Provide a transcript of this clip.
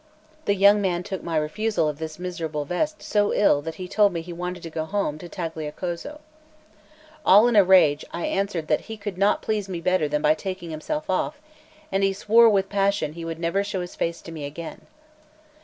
The young man took my refusal of this miserable vest so ill that he told me he wanted to go home to Tagliacozzo. All in a rage, I answered that he could not please me better than by taking himself off; and he swore with passion that he would never show his face to me again.